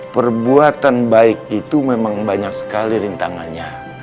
perbuatan baik itu memang banyak sekali rintangannya